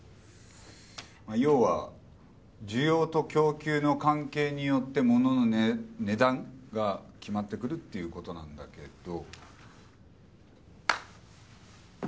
まあ要は需要と供給の関係によって物の値段が決まってくるっていう事なんだけど。